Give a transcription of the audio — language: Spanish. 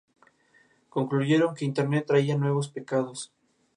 Si falta alguna de las dos, estaremos frente a otro tipo de situación.